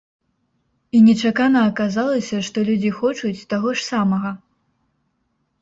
І нечакана аказалася, што людзі хочуць таго ж самага!